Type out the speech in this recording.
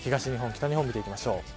北日本を見ていきましょう。